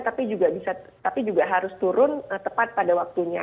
tapi juga bisa tapi juga harus turun tepat pada waktunya